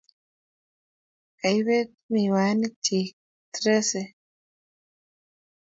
Kaibet miwanik chi Tracy